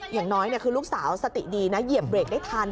อย่างน้อยคือลูกสาวสติดีนะเหยียบเบรกได้ทัน